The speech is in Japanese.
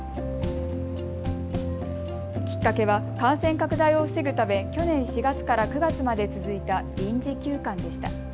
きっかけは感染拡大を防ぐため去年４月から９月まで続いた臨時休館でした。